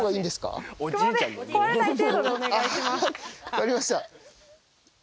分かりました。